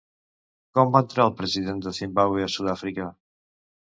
Com va entrar el president de Zimbàbue a Sud-àfrica?